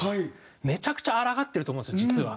めちゃくちゃ抗ってると思うんですよ実は。